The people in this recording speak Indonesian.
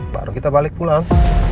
baru kita balik pulang